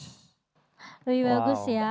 lebih bagus ya